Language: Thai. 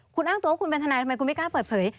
คุณอ้างตัวว่าคุณเป็นทนายทำไมคุณไม่กล้าเปิดเผย